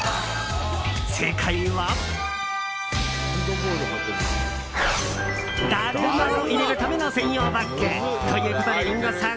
正解は、だるまを入れるための専用バッグ。ということでリンゴさん